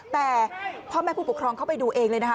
แต่พ่อแม่ผู้ปกครองเข้าไปดูเองเลยนะคะ